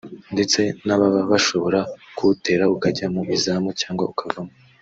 ndetse n’ababa bashobora kuwutera ukajya mu izamu cyangwa ukavamo